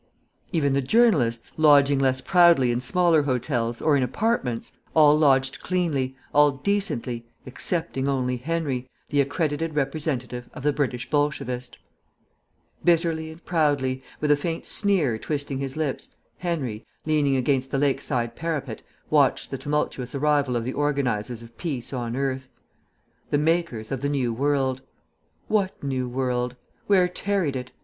Even the journalists, lodging less proudly in smaller hotels, or in apartments, all lodged cleanly, all decently, excepting only Henry, the accredited representative of the British Bolshevist. Bitterly and proudly, with a faint sneer twisting his lips, Henry, leaning against the lake side parapet, watched the tumultuous arrival of the organisers of peace on earth. The makers of the new world. What new world? Where tarried it?